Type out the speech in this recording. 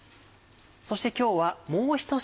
そして今日はもうひと品。